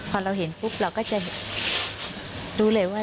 พอเราเห็นปุ๊บเราก็จะรู้เลยว่า